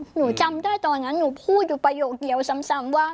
หนูจำได้ตอนนั้นหนูพูดอยู่ประโยคเดียวซ้ำว่า